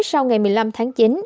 sau ngày một mươi năm tháng chín